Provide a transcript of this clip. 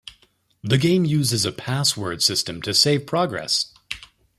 The game uses a password system to save progress.